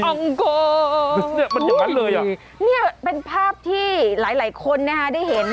อังกอมันอย่างนั้นเลยนี่เป็นภาพที่หลายคนได้เห็น